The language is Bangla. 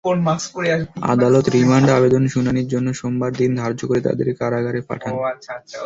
আদালত রিমান্ড আবেদন শুনানির জন্য সোমবার দিন ধার্য করে তাঁদের কারাগারে পাঠান।